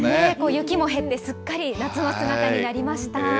雪も減ってすっかり夏の姿になりました。